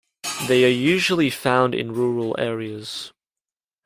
They are usually found in rural areas.